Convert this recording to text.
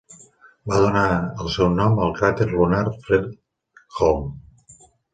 Va donar el seu nom al cràter lunar Fredholm.